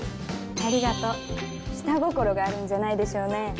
ありがと下心があるんじゃないでしょうね